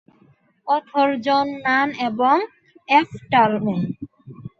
Author John Nunn এবং F Tolman.